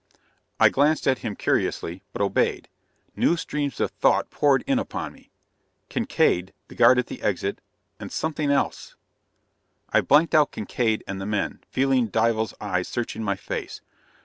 I glanced at him curiously, but obeyed. New streams of thought poured in upon me. Kincaide ... the guard at the exit ... and something else. I blanked out Kincaide and the men, feeling Dival's eyes searching my face.